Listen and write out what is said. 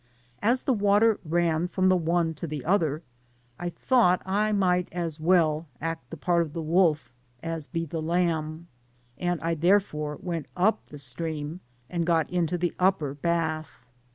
As the water ran from the one to the other, I thought I might as well act the part of the wolf as be the lamb, and I « therefore went up the stream, and got into the upper bath.